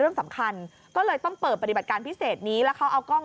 เรื่องสำคัญก็เลยต้องเปิดปฏิบัติการพิเศษนี้แล้วเขาเอากล้อง